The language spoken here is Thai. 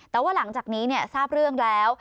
แต่ว่าหลังจากนี้ทราบเรื่องแล้ว